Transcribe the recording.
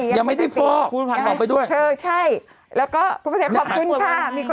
ยังไม่ถึงฟอกเธอใช่แล้วก็คุณประเทศขอบคุณค่ะ